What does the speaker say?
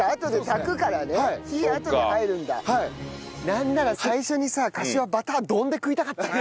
なんなら最初にさかしわバター丼で食いたかったね。